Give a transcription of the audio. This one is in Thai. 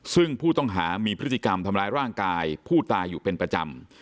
ซึ่งผู้ต้องหามีพฤติกรรมทำร้ายร่างกายผู้ตายอยู่เป็นประจำ